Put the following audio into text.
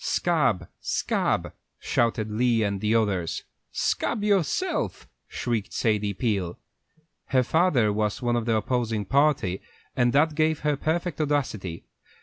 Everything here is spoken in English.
"Scab! scab!" shouted Lee and the others. "Scab yourself!" shrieked Sadie Peel. Her father was one of the opposing party, and that gave her perfect audacity.